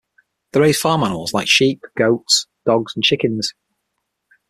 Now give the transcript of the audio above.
They raise farm animals, like sheep, goats, dogs, and chickens.